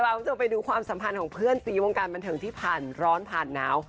คุณผู้ชมไปดูความสัมพันธ์ของเพื่อนซีวงการบันเทิงที่ผ่านร้อนผ่านหนาว